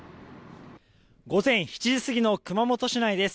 午前７時過ぎの熊本市内です。